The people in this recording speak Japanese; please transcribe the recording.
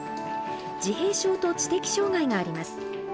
自閉症と知的障害があります。